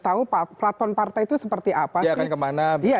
tahu platform partai itu seperti apa sih